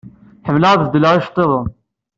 Ḥemmleɣ ad beddleɣ iceḍḍiḍen.